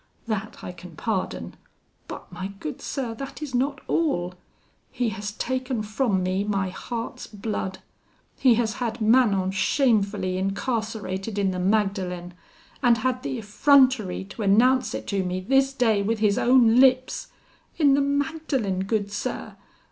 That I can pardon; but, my good sir, that is not all. He has taken from me my heart's blood: he has had Manon shamefully incarcerated in the Magdalen; and had the effrontery to announce it to me this day with his own lips. In the Magdalen, good sir!